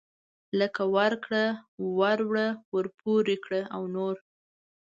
لکه ورکړه وروړه ورپورې کړه او نور.